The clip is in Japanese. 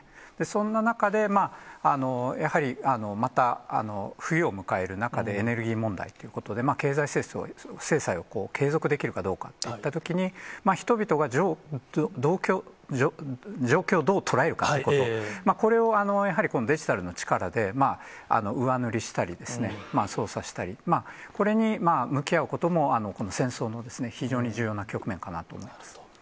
そんな中で、やはりまた冬を迎える中で、エネルギー問題ということで、経済制裁を継続できるかどうかっていったときに、人々が状況をどう捉えるかということ、これをやはりこのデジタルの力で、上塗りしたり、操作したり、これに向き合うことも、戦争の非常に重要な局面かなと思います。